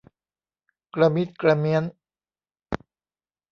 กระมิดกระเมี้ยน